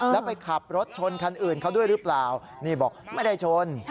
แล้วไปขับรถชนคันอื่นเขาด้วยหรือเปล่านี่บอกไม่ได้ชน